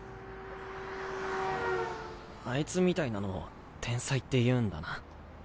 あいつみたいなのを天才って言うんだな。